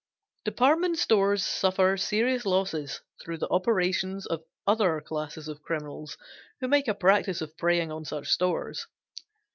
Department stores suffer serious losses through the operations of other classes of criminals who make a practice of preying on such stores.